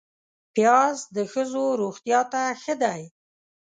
پیاز د ښځو روغتیا ته ښه دی